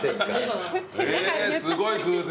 えすごい偶然。